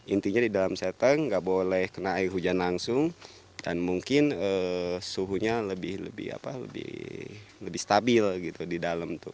intinya di dalam seteng nggak boleh kena air hujan langsung dan mungkin suhunya lebih stabil gitu di dalam